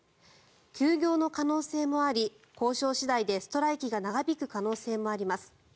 休業の可能性もあり交渉次第でストライキが長引く可能性もあります。